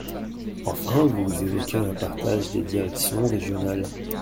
Enfin, vous évoquez un partage des directions régionales.